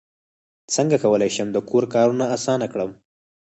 څنګه کولی شم د کور کارونه اسانه کړم